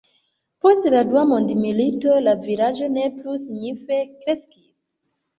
Post la Dua mondmilito la vilaĝo ne plu signife kreskis.